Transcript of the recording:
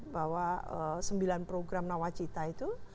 bahwa sembilan program nawacita itu